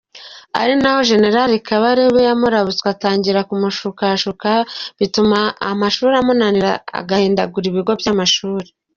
Ari naho General Kabarebe yamurabutswe atangira kumushukashuka bituma amashuri amunanira agahindagura ibigo by’amashuri.